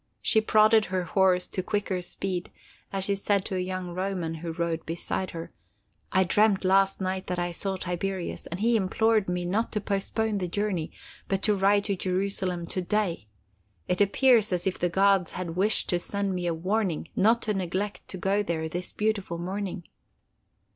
She prodded her horse to quicker speed, as she said to a young Roman who rode beside her: "I dreamt last night that I saw Tiberius, and he implored me not to postpone the journey, but to ride to Jerusalem to day. It appears as if the gods had wished to send me a warning not to neglect to go there this beautiful morning."